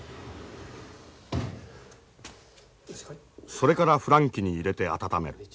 それから孵卵器に入れて温める。